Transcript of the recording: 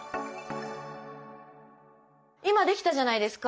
今できたじゃないですか。